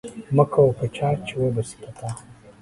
مکوه په چا چی و به سی په تا